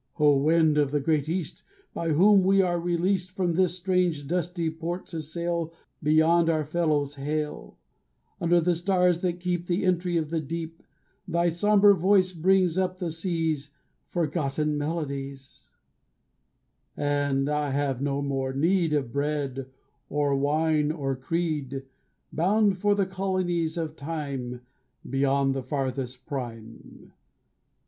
O wind of the great East, By whom we are released From this strange dusty port to sail Beyond our fellows' hail, Under the stars that keep The entry of the deep, Thy somber voice brings up the sea's Forgotten melodies; And I have no more need Of bread, or wine, or creed, Bound for the colonies of time Beyond the farthest prime.